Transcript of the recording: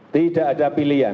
tidak ada pilihan